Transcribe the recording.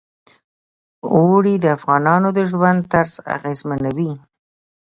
اوړي د افغانانو د ژوند طرز اغېزمنوي.